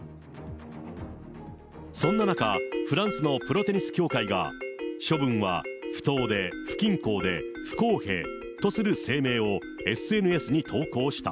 そんな中、フランスのプロテニス協会が、処分は不当で不均衡で不公平とする声明をＳＮＳに投稿した。